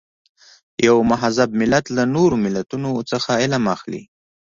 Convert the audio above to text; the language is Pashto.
یو مهذب ملت له نورو ملتونو څخه علم اخلي.